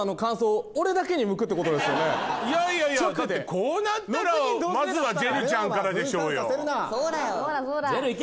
こうなったらまずはジェルちゃんからでしょうよ。